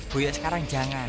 bu ya sekarang jangan